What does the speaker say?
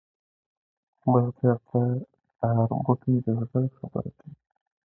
بزګر ته هره بوټۍ د زړه خبره کوي